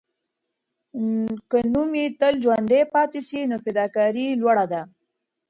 که نوم یې تل ژوندی پاتې سي، نو فداکاري یې لوړه ده.